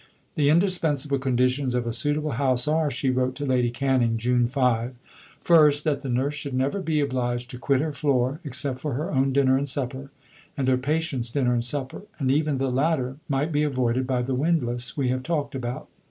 "The indispensable conditions of a suitable house are," she wrote to Lady Canning (June 5), "first, that the nurse should never be obliged to quit her floor, except for her own dinner and supper, and her patients' dinner and supper (and even the latter might be avoided by the windlass we have talked about).